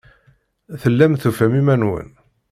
Tellam tufam iman-nwen.